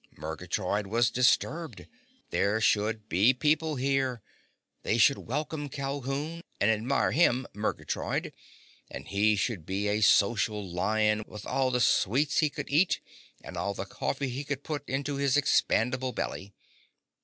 Murgatroyd was disturbed. There should be people here! They should welcome Calhoun and admire him—Murgatroyd—and he should be a social lion with all the sweets he could eat and all the coffee he could put into his expandable belly.